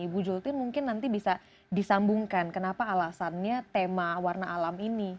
ibu jultin mungkin nanti bisa disambungkan kenapa alasannya tema warna alam ini